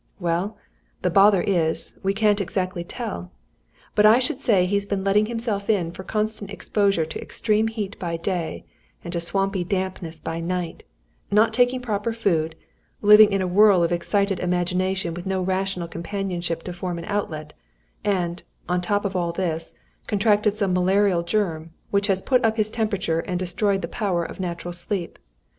"Well, the bother is, we can't exactly tell. But I should say he has been letting himself in for constant exposure to extreme heat by day, and to swampy dampness by night; not taking proper food; living in a whirl of excited imagination with no rational companionship to form an outlet; and, on the top of all this, contracted some malarial germ, which has put up his temperature and destroyed the power of natural sleep.